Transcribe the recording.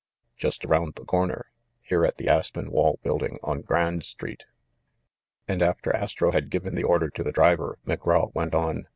"Just around the corner, here, at the Aspenwall building on Grand Street." And, after Astro had given the order to the driver, McGraw went on.